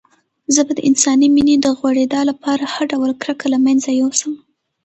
زه به د انساني مينې د غوړېدا لپاره هر ډول کرکه له منځه يوسم.